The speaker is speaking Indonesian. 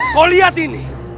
kau lihat ini